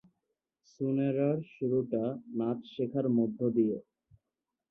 সুনেরাহ’র শুরুটা নাচ শেখার মধ্য দিয়ে।